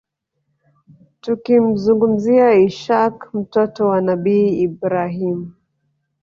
Tukimzungumzia ishaaq mtoto wa Nabii Ibraahiym